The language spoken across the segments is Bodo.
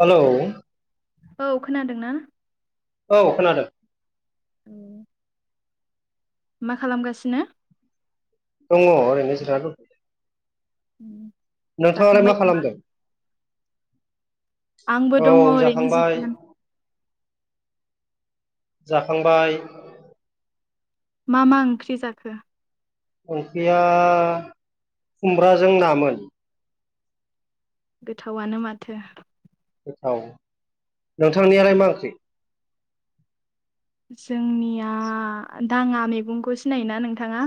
हेल'! औ खोनादोंना? औ खोनादों। उम। मा खालाम गासिनो? दङ ओरैनो जिरायना दं। उम। नोंथाङा लाय मा खालामदों? आंबो औ दङ ओरैनो जाखांबाय जिरायनानै। जाखांबाय। मा मा ओंख्रि जाखो? ओंख्रिया खुमब्राजों नामोन। गोथावानो माथो। गोथाव नोंथांनिया लाय मा ओंख्रि? जों निया दाङा मैगंखौ सिनायोना नोंथाङा?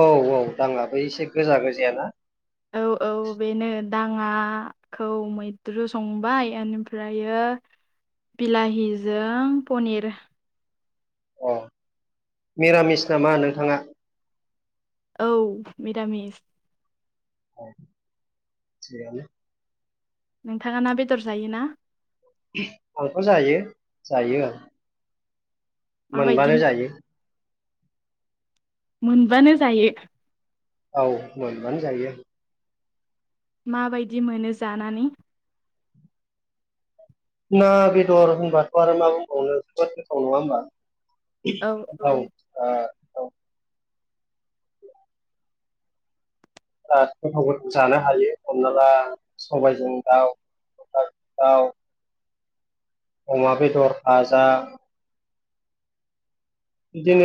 औ औ दाङा बै एसे गोजा गोजायाना? औ औ बेनो दाङा खौ मैद्रु संबाय ओनिफ्रायो बिलाहि जों पनिर। अ मिरामिस नामा नोंथाङा? औ मिरामिस। अ थिगानो। नोंथाङा ना बेदर जायोना? आंथ' जायो जायो आं। माबायदि मोनबानो जायो। मोनबानो जायो? औ मोनबानो जायो। माबायदि मोनो जानानै? ना बेदर होनबाथ' आरो मा बुंबावनो जोबोद गोथाव नङा होमबा? औ आ आ गोथाव जानो हायो हमना ला सबायजों दाउ दा दाव अमा बेदर फाजा बिदिनो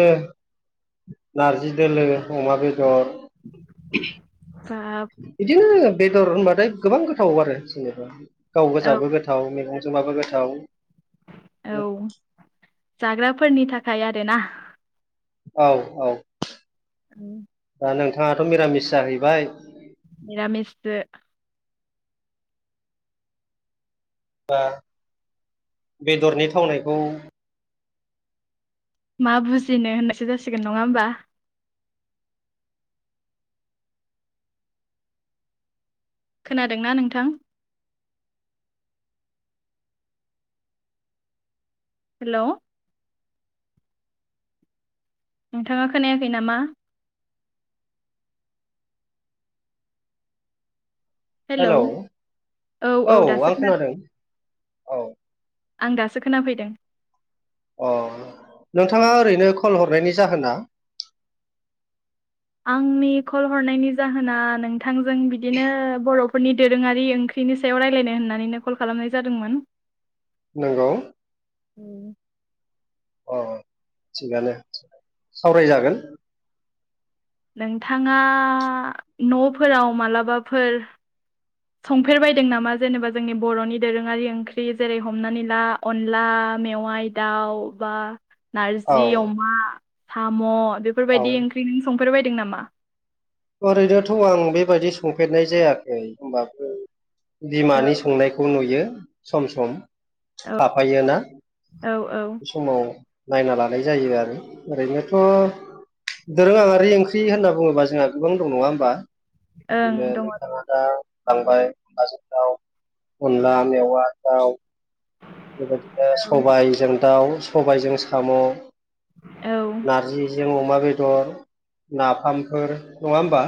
नारजि दोलो अमा बेदर बाब बिदिनो बेदर होनबाथाय गोबां गोथाव आरो जेनिबा। गाव औ गोजाबो गोथाव मैगं जोंबाबो गोथाव। औ जाग्रा फोरनि थाखाय आरो ना। औ औ। उम। दा नोंथाङाथ' निरामिस जाहैबाय। मिरामिसबो बा बेदरनि थावनायखौ मा बुजिनो होननायसो जासिगोन नङा होमबा? खोना दोंना नोंथां? हेल' नोंथाङा खोनायाखै नामा? हेलौ हेल' औ आं खोनादों। औ आं दासो खोनाफैदों। अ नोंथाङा ओरैनो कल हरनायनि जाहोना आंनि कल हरनायनि जाहोना नोंथांजों बिदिनो बर' फोरनि दोरोङारि ओंख्रिनि सायाव रायलायनो होननानैनो कल खालामनाय जादोंमोन। नंगौ उम अ थिगानो सावरायजागोन। नोंथाङा न'फोराव मालाबाफोर संफेरबायदों नामा जेनेबा जोंनि बर'नि दोरोङारि ओंख्रि जेरै हमनानै ला अनला मेवाइ दाउ बा औ नारजि अमा साम' औ बेफोरबायदि ओंख्रि नों सं फेरबायदों नामा? ओरैनोथ' आं बेबायदि संफेरनाय जायाखै होमबाबो औ बिमानि संनायखौ नुयो सम सम औ थाफायो ना औ औ बे समाव नायना लानाय जायो आरो ओरैनोथ' दोरोंङारि ओंख्रि होनना बुङोबा जोंहा गोबां दं नङा होमबा ओं बिदिनो दङ औ नोंथाङा दा लांबाय अनलाजों दाउ अनला मेवा दाउ बेबायदिनो सबायजों दाउ सबायजों साम' औ नारजिजों अमा बेदर नाफामफोर नङा होमबा?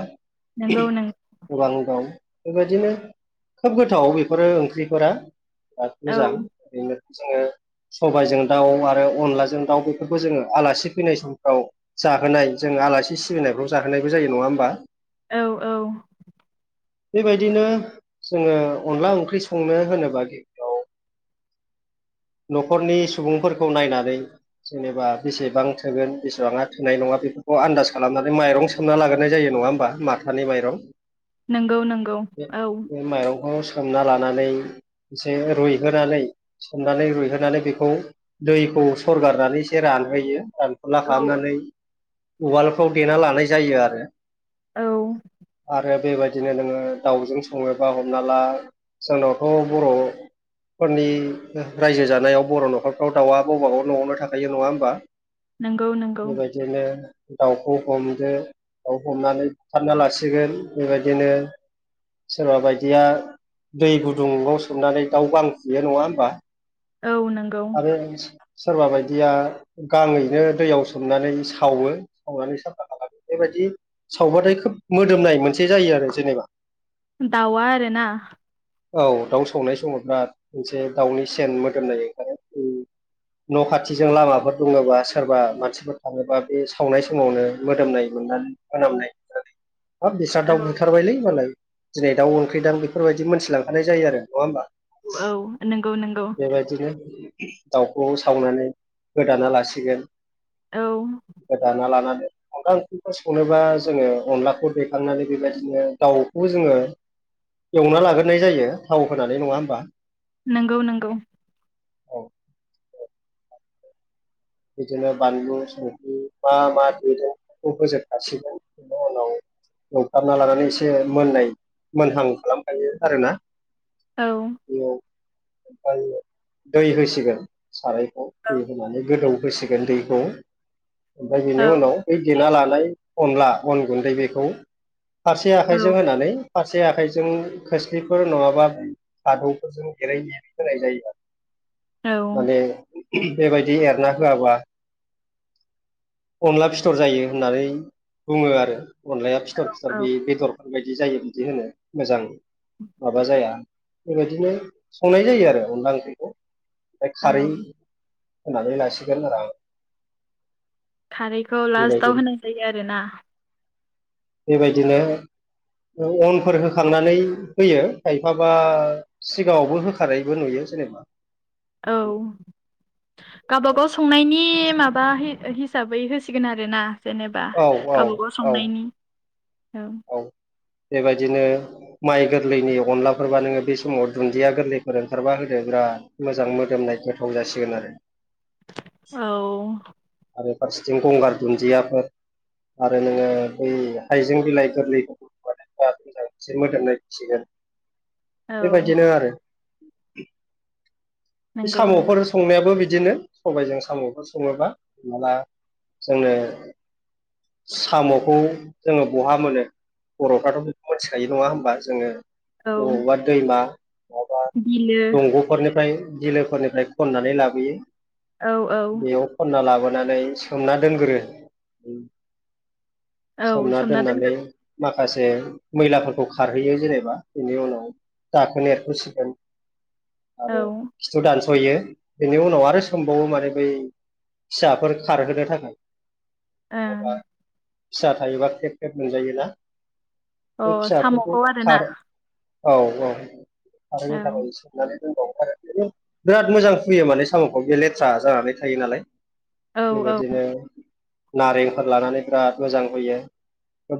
नंगौ [unintelligible] नों गोबां दं। बेबायदिनो खोब गोथाव बेफोरो ओंख्रिफोरा [unintelligible] औ मोजां। ओरैनो जोङो सबायजों दाउ आरो अनलाजों दाउ बेफोरखौ जोङो आलासि फैनाय समफ्राव जाहोनाय जोङो आलासि सिबिनायफ्राव जाहोनायबो जायो नङा होमबा? औ औ बेबायदिनो जोङो अनला ओंख्रि संनो होनोबा गिबियाव न'खरनि सुबुंफोरखौ नायनानै जेनेबा बेसेबां थोगोन बेसेबाङा थोनाय नङा बेफोरखौ आन्दाज खालामनानै माइरं सोमना लागोरनाय जायो। नङा होनबा माथानि माइरं नंगौ नंगौ औ [unintelligible] माइरंखौ सोमना लानानै एसे रुइहोनानै सोमनानै रुइहोनानै बेखौ दैखौ सरगारनानै एसे रानहोयो। दानफुला औ खालामनानै उवालफ्राव देना लानाय जायो आरो। औ आरो बेबायदिनो नोङो दाउजों सङोबा हमना ला जोंनावथ' बर' फोरनि रायजो जानायाव बर' न'खरफ्राव दाउआ गावबागाव न'आवनो थाखायो नङा होमबा? नंगौ नंगौ बेबायदिनो दाउखौ हमदो दाउ हमनानै बुथारना लासिगोन बेबायदिनो सोरबा बायदिया दै गुदुंङाव सोमनानै दाउ गां खुयो नङा होमबा? औ नंगौ आरो सोरबा बायदिया गाङैनो दैयाव सोमनानै सावो सावनानै साफा खालामो बेबायदि [unintelligible] सावबाथाय खोब मोदोमनाय मोनसे जायो आरो जेनेबा दावा आरो ना औ दाउ सावनाय समाव बिराद मोनसे दाउनि सेन मोदोमनाय ओंखार [unintelligible] न' खाथिजों लामाफोर दङोबा सोरबा मानसिफोर थाङोबा बे सावनाय समावनो मोदोमनाय [unintelligible] [inaudible] हाब बिस्रा औ दाउ बुथारबायलै मालाय दिनै दाउ ओंख्रिदां बेफोरबायदि मोनथिलांखानाय जायो आरो नङा होमबा? औ नोंगौ नोंगौ बेबायदिनो दाउखौ सावनानै गोदाना लासिगोन। औ गोदाना लाना अनला ओंख्रिफोर संनोबा जोङो अनलाखौ दैखांनानै बेबायदिनो दाउखौ जोङो एवना लाग्रोनाय जायो थाव होनानै नङा होमबा नंगौ नंगौ औ [inaudible] बिदिनो बानलु संगलि मा मा ददों बेखौ होजोबखाासिगोन उनाव एवखाना लानानै एसे मोननाय मोनहां खालामखायो आरोना औ बेयाव ओम दै होसिगोन सारायखौ औ दै होनानै गोदौ होसिगोन दैखौ ओमफ्राय बिनि औ उनाव बै देना लानानै अनला अन गुन्दै बेखौ फारसे औ आखाइजों होनानै फारसे आखाइजों खोस्लिफोर नङाबा खादौफोरजों एरै लै होनाय जायो आरो औ माने बेबायदि एरना होआबा अनला फिथर जायो होननानै बुङो आरो अनलाया फिथर फिथर औ बे बेदरफोरबायायदि जायो बिदि होनो मोजां माबा जाया बेबायदिनो संनाय जायो आरो अनला ओंख्रिखौ ओमफ्राय औ खारै होननानै लासिगोन आरो खारैखौ लास्टाव होनाय जायो आरोना बेबायदिनो अनफोर होखांनानै होयो खायफाबा सिगाङावबो होखारानायबो नुयो [inaudible] औ गाबा गाव संनायनि माबा हिसाबै होसिगोन आरो ना जेनेबा औ औ गावबागाव औ संनायनि औ बेबायदिनो माइ गोरलैनि अनलाफोरबा नोङो बे समाव दुन्दिया गोरलैफोर ओंखारबा होदो बिराद मोजां मोदोमनाय गोथाव जासिगोन आरो औ आरो फारसेथिं गंगार दुन्दियाफोर आरो नोङो बै हाइजें बिलाइ गोरलैखौ मोजांसे मोदोमनायथिगोन औ बेबायदिनो आरो बे नंगौ नंगौ साम'फोर संनायाबो बिदिनो सबायजों साम'फोर सङोबा माला जोंनो साम'खौ जोंङो बहा मोनो बरफ्राथ बेखौ मिथिखायो नंङा होमबा जोंङो औ बबावबा दैमा माबा बिलो दंग'फोरनिफ्राय बिलोफोरनिफ्राय खननानै लाबोयो औ औ बेयाव खनना लाबोयो खननानै सोमना दोनग्रो औ सोमना दोननानै दोनगोन माखासे मैलाफोरखौ खारहैयो जेनेबा बेनि उनाव दाखोन एरफोसिगोन औ आरो खिथु दान्सयो बेनि उनाव आरो सोमबावो माने बै फिसाफोर खारहोनो थाखाय ओमम नङाबा फिसा थायोबा खेब खेब मोनजायोना बे अ फिसाफोरखौ साम'खौ आरोना खार औ औ औ थाबैनो थाखायबो सोबनानै [unintelligible] बिराद मोजां फुयो माने साम'खौ बेयो लेथ्रा जानानै थायो नालाय औ औ बेबायदिनो नारेंफोर लानानै बिराद मोजां हुयो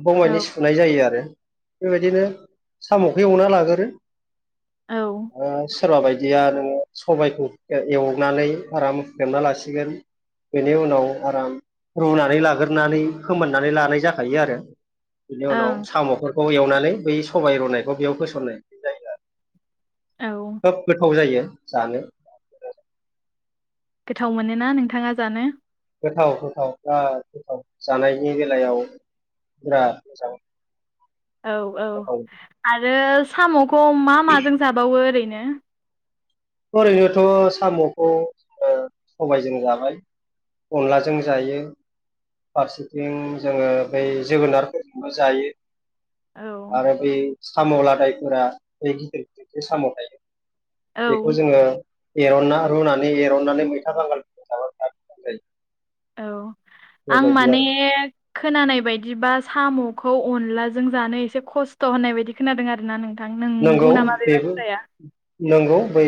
बगाइनि औ सुनाय जायो आरो बेबायदिनो साम'खौ एवना लागोरो औ ओं ओ सोरबा बायदिया नोङो सबायखौ एवनानै आराम ख्रेमना लासिगोन बेनि उनाव आराम रुनानै लाग्रोनानै फोमोननानै लानाय जाखायो आरो बिनि उनाव साम'फोरखौ एवनानै बै सबायाइ रुनायखौ बेयाव होसननाय जायो आरो। औ खोब गोथाव जायो जानो। गोथाव मोनोना नोंथाङा जानो? गोथाव गोथाव बिराद गोथाव जानायनि बेलायाव बिराद मोजां। औ औ गोथाव आरो साम'खौ मा माजों जाबावो ओरैनो? ओरैनोथ' साम'खौ ओ सबायजों जाबाय अनलाजों जायो फारसेथिं जोङो बै जोगोनारफोरजोंबो जायो। औ आरो बे साम' लादायफोरा बै गिदिर गिदिर साम' थायो औ बेखौ जोङो एरनना रुनानै एरननानै मैथा बांगालफोरखौ जाबा मजां जायो औ आं बेबायदि माने आरो खोनानाय बायदिबा साम'खौ अनलाजों जानो एसे खस्थ' होननाय बायदि खोनादों आरोना नों नोंथां नंगौ नोंगौ नामा बै बेबो बाथ्राया? नंगौ बै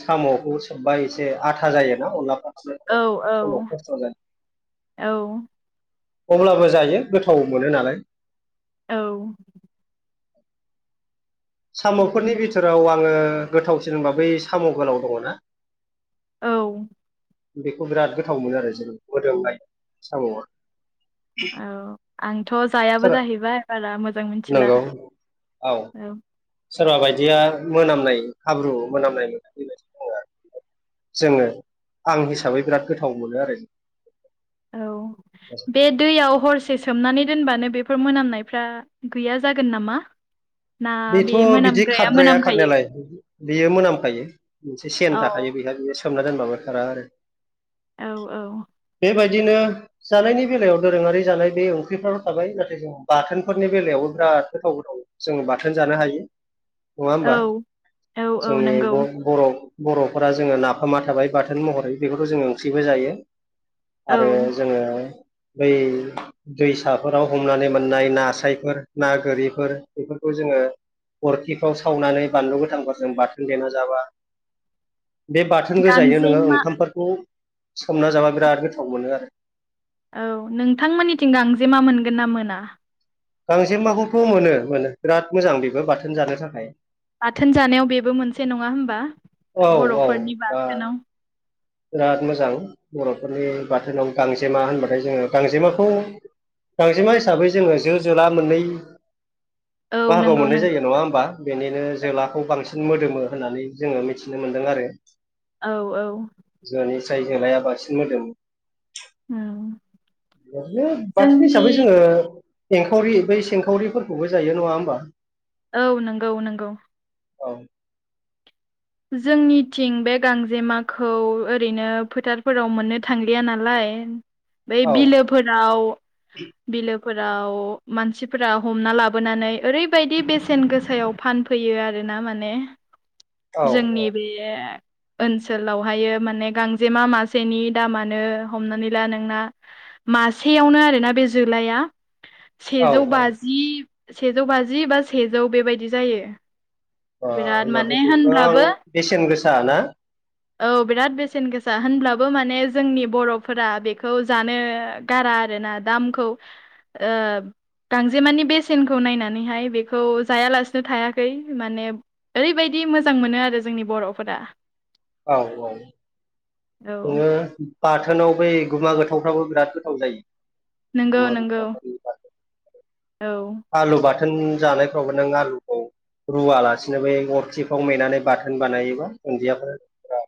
सामावखौ सोबा एसे आथा जायोना अनलाफ्रा औ सोबनाय समाव औ खस्थ' औ जायो अब्लाबो जायो गोथाव मोनो नालाय औ [inaudible] साम'फोरनि बिदिनो बिथोराव आङो गोथावसिन होनबा बै साम' गोलाव दङ ना औ बेखौ बिराद गोथाव मोनो आरो जों मोदोमनाय साम'आ औ आंथ' जायाबो सोर जाहैबाय बारा मोजां मोनथिला नंगौ औ सोरबा बायदिया मोनामनाय हाब्रु मोनामनाय मोननो बेबायदि दङ आरो जोङो आं हिसाबै बिराद गोथाव मोनो आरो औ बे दैयाव हरसे से सोमनानै दोनबानो बेफोर मोनामनायफ्रा गैया जागोन नामा? ना बेथ' बे बिदि मोनामग्राया खारद्राया मोनामखायो खारनायालाय बेयो मोनामखायो मोनसे औ सेन थाखायो बेहा बियो सोमना दोनबाबो खारा आरो औ औ बिदिनो जानायनि बेलायाव दोरोङारि जानाय बे ओंख्रिफ्राल' थाबाय नाथाय जों बाथोनफोरनि बेलायावबो बिराद राद गोथाव गोथाव जोङो बाथोन जानो हायो नङा होमबा औ औ औ जोंनि नंगौ ब बर' बर'फोरा जोङो नाफामा थाबाय बाथोन महरै बेफोरखौ जोङो ओंख्रिबो जायो आरो औ जोङो बै दैसाफोराव हमनानै मोननाय नास्रायफोर ना गोरिफोर बेफोर खौ जोङो अरखिफ्राव सावनानै बानलु गोथांफोरजों बाथोन देना जाबा [inaudible] बे बाथोन गोजायैनो नोङो गांजेमा ओंखामफोरखौ सोमना जाबा बिराद गोथाव मोनो आरो। औ नोंथांमोननिथिं गांजेमा मोनगोन ना मोना? गांजेमाखौथ' मोनो मोनो बिराद मोजां बेबो बाथोन जानो थाखाय। बाथोन जानायाव बेबो मोनसे नङा होम्बा। औ औ बर'फोरनि दा बाथोनाव। बिराद मोजां, बर'फोरनि बाथोनाव गांजेमा होनबाथाय जोङो गांजेमाखौ गांजेमा हिसाबै जोङो जो जोला मोननै औ बाहागोआव नंगौ मोननाय नंगौ जायो नङा होमबा। बेनिनो जोलाखौ बांसिन मोदोमो होननानै जोङो मिथिनो मोन्दों आरो। औ औ। जोनिफ्राय जोलाया बांसिन मोदोमो। उम ओरैनो बाथेन जोंनि हिसाबै जोङो एंखावरि बै सिंखावरिफोरखौबो जायो नङा होमबा। औ नंगौ नंगौ। औ। जोंनिथिं बे गांजेमाखौ ओरैनो फोथारफोराव मोननो थांलिया नालाय बै औ बिलोफोराव, बिलो फोराव मानसिफोरा हमना लाबोनानै ओरैबायदि बेसेन गोसायाव फानफैयो आरो ना माने, औ जोंनि बे ओनसोलावहायो माने गांजेमा मासेनि दामानो हमनानै ला नोंना मासेयावनो आरोना बे जोलाया औ सेजौ औ ओ बाजि सेजौ बाजि बा सेजौ बेबायदि जायो। बा बिराद माने होमबाथ' गोबां होनब्लाबो बेसेन गोसा ना? औ बिराद बेसेन गोसा होनब्लाबो माने जोंनि बर'फोरा बेखौ जानो गारा आरोना, दामखौ ओ गांजेमानि बेसेनखौ नायनानैहाय बेखौ जायालासेनो थायाखै, माने ओरैबायदि दि मोजां मोनो आरो जोंनि बर'फोरा। औ औ। औ नोङो बाथोनाव बै गुमा गोथावफ्राबो बिराद गोथाव जायो। नंगौ [unintelligible] नंगौ औ आलु बाथो बाथोन जानायफ्रावबो नों आलुखौ रुवालासिनो बै अरथिफ्राव मेनानै बाथोन बानायोबा दुन्दियाफोरा